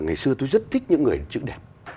ngày xưa tôi rất thích những người chữ đẹp